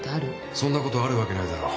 そんなことあるわけないだろ。